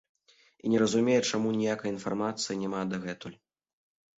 І не зразумее, чаму ніякай інфармацыя няма дагэтуль.